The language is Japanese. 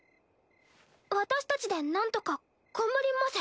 私たちでなんとか頑張ります。